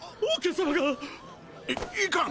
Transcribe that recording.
いいかん！